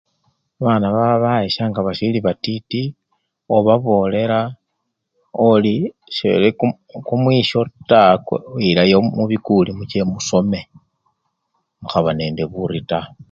Babana babayesya nga basili batiti, obabolela oli seli kum! kumwisyo taa, bako! ilayo mubikuli muche musome, mukhaba nende buri taa.